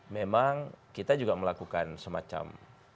memang kita juga melakukan semacam